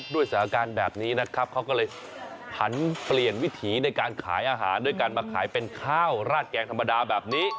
ด้วยการมาขายเป็นข้าวราดแกงธรรมดาแบบนี้